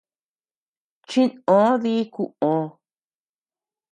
Chinʼö dí kuʼö.